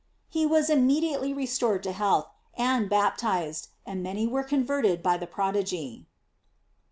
He was immediately restored to health, and bap tized, and many were converted by the prodigy.!